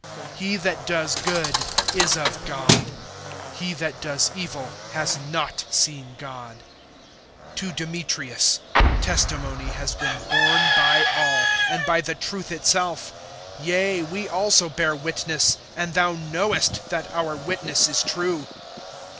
He that does good, is of God; he that does evil, has not seen God. (12)To Demetrius, testimony has been borne by all, and by the truth itself; yea, we also bear witness, and thou knowest that our witness is true.